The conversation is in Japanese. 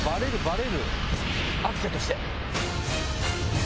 アクセとして。